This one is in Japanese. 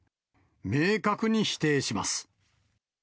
明確に否定します。